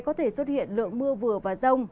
có thể xuất hiện lượng mưa vừa và rông